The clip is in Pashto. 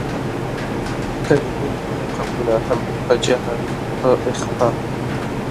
کلمه يې وي قبوله هم په جهر په اخفا